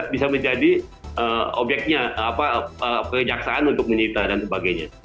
bisa menjadi objeknya kejaksaan untuk mencinta dan sebagainya